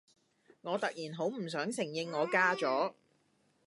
我突然好唔想承認我嫁咗